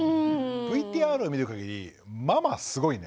ＶＴＲを見るかぎりママすごいね。